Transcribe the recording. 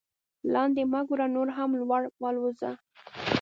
لاندې مه ګوره نور هم لوړ والوځه.